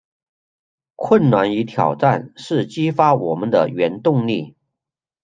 困难与挑战是激发我们的原动力